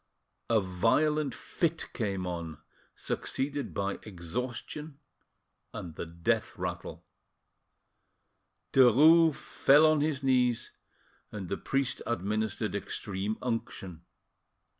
A violent fit came on, succeeded by exhaustion and the death rattle. Derues fell on his knees, and the priest administered extreme unction.